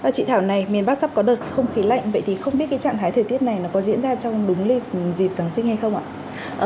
chị thảo này miền bắc sắp có đợt không khí lạnh vậy thì không biết cái trạng thái thời tiết này nó có diễn ra trong đúng lịch dịp giáng sinh hay không ạ